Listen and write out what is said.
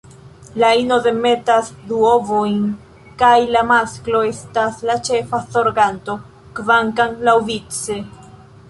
La ino demetas du ovojn kaj la masklo estas la ĉefa zorganto, kvankam laŭvice.